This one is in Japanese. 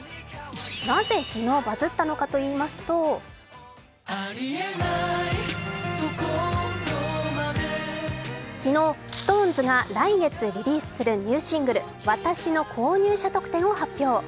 なぜ昨日、バズったのかといいますと昨日ＳｉｘＴＯＮＥＳが来月リリースするニューシングル「わたし」の購入者特典を発表。